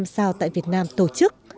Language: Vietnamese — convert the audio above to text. các khách sạn năm sao tại việt nam tổ chức